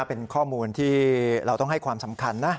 เป็นข้อมูลที่เราต้องให้ความสำคัญนะ